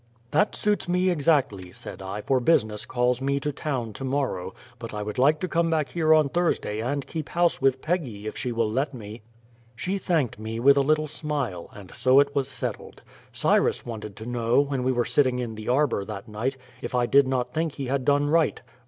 "That suits me exactly," said I, "for business calls me to town to morrow, but I would like to come back here on Thursday and keep house with Peggy, if she will let me." She thanked me with a little smile, and so it was settled. Cyrus wanted to know, when we were sitting in the arbor that night, if I did not think he had done right.